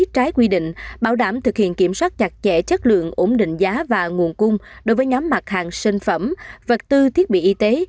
trái quy định bảo đảm thực hiện kiểm soát chặt chẽ chất lượng ổn định giá và nguồn cung đối với nhóm mặt hàng sinh phẩm vật tư thiết bị y tế